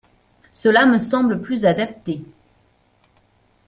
Cela me semble plus adapté.